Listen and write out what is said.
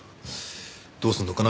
どうすんのかな？